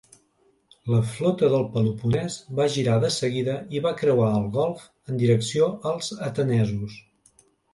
La flota del Peloponès va girar de seguida i va creuar el golf en direcció als atenesos.